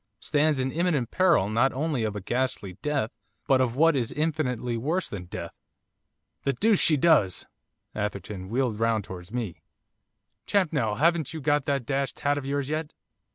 stands in imminent peril not only of a ghastly death, but of what is infinitely worse than death.' 'The deuce she does!' Atherton wheeled round towards me. 'Champnell, haven't you got that dashed hat of yours yet?